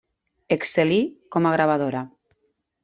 Excel·lí com a gravadora.